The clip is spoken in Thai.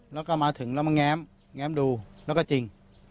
แล้วก็มาถึงแล้วมาแง้มดูแล้วก็จริง